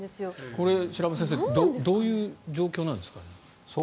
これ、白濱先生どういう状況なんですかね。